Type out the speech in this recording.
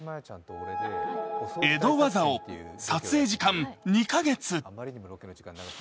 江戸和竿、撮影時間２か月。